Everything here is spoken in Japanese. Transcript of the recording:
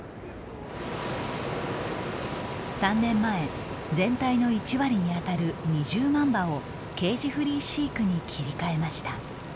３年前全体の１割にあたる２０万羽をケージフリー飼育に切り替えました。